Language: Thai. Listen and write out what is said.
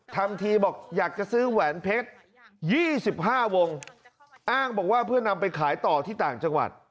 ทำทีบอกอยากจะซื้อแหวนเพชร๒๕วงอ้างบอกว่าเพื่อนำไปขายต่อที่ต่างจังหวัด